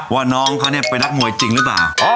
ว่าน้องเขาเนี่ยเป็นนักมวยจริงหรือเปล่า